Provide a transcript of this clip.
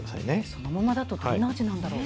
そのままだと、どんな味なんだろう。